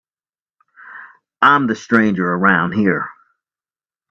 I'm the stranger around here.